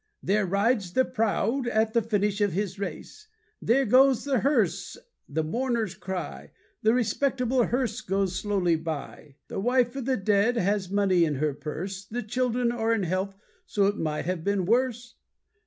There rides the proud, at the finish of his race. There goes the hearse, the mourners cry, The respectable hearse goes slowly by. The wife of the dead has money in her purse, The children are in health, so it might have been worse.